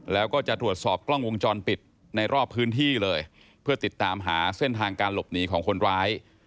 แล้วก็จะตรวจสอบกล้องวงจรปิดในรอบพื้นที่เลยเพื่อติดตามหาเส้นทางการหลบหนีของคนร้าย